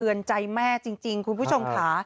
ใจแม่จริงคุณผู้ชมค่ะ